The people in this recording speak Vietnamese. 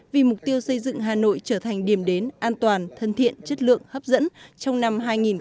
vì mục tiêu xây dựng hà nội trở thành điểm đến an toàn thân thiện chất lượng hấp dẫn trong năm hai nghìn hai mươi